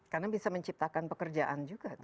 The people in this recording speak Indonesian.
karena bisa menciptakan pekerjaan juga